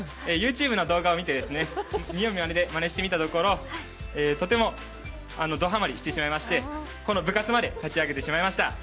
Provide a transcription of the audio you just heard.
ＹｏｕＴｕｂｅの動画を見て見よう見まねでやったところとてもどハマりしてしまいまして部活まで立ち上げてしまいました。